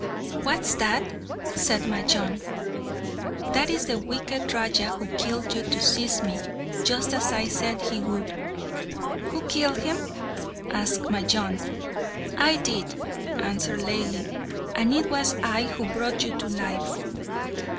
"What's that?" said Majnun. "That is the wicked Raja who killed you to seize me, just as I said he would." "Who killed him?" asked Majnun. "I did," answered Laili, "and it was I who brought you to life."